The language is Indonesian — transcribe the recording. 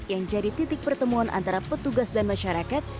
yang jadi titik pertemuan antara petugas dan masyarakat